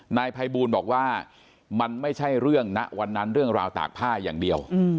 นายภัยบูลบอกว่ามันไม่ใช่เรื่องณวันนั้นเรื่องราวตากผ้าอย่างเดียว